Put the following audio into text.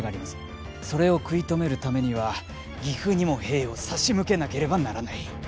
それを食い止めるためには岐阜にも兵を差し向けなければならない。